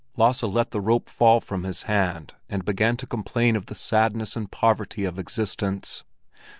Lasse let the rope fall from his hand and began to complain of the sadness and poverty of existence.